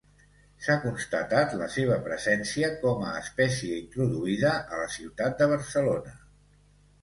S'ha constatat la seva presència com a espècie introduïda a la ciutat de Barcelona.